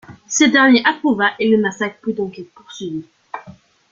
Ce dernier approuva et le massacre put donc être poursuivi.